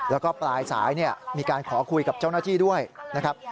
แล้วก็ปลายสายมีการขอคุยกับเจ้าหน้าที่ด้วยนะครับ